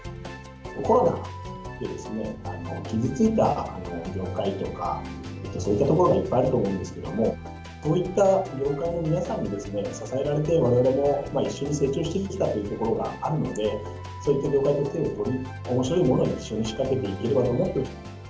コロナで傷ついた業界とか、そういうところはいっぱいあると思うんですけれども、そういった業界の皆さんに支えられて、われわれも一緒に成長してきたというところがあるので、そういった業界と手を取り、おもしろいものを一緒に仕掛けていければと思って。